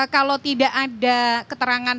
kalau tidak ada keterangan